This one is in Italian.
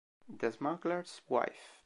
The Smuggler's Wife